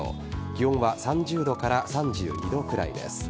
気温は３０度から３２度くらいです。